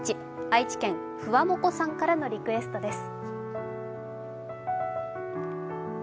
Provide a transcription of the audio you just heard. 愛知県・ふわもこさんからのリクエストです。